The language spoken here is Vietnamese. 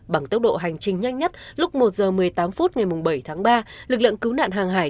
bằng tốc độ hành trình nhanh nhất lúc một h một mươi tám phút ngày bảy tháng ba lực lượng cứu nạn hàng hải